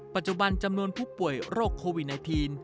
ปัจจุบันจำนวนผู้ป่วยโรคโควิด๑๙